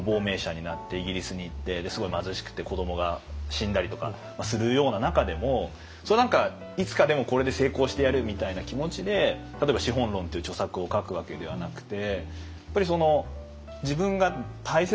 すごい貧しくて子どもが死んだりとかするような中でも何かいつかでもこれで成功してやるみたいな気持ちで例えば「資本論」という著作を書くわけではなくて。